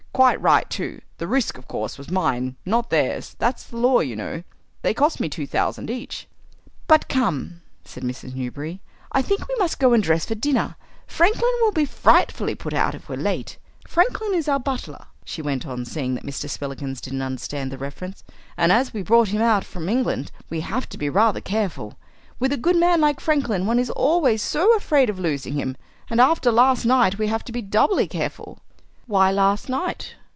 Quite right, too. The risk, of course, was mine, not theirs; that's the law, you know. They cost me two thousand each." "But come," said Mrs. Newberry, "I think we must go and dress for dinner. Franklin will be frightfully put out if we're late. Franklin is our butler," she went on, seeing that Mr. Spillikins didn't understand the reference, "and as we brought him out from England we have to be rather careful. With a good man like Franklin one is always so afraid of losing him and after last night we have to be doubly careful." "Why last night?"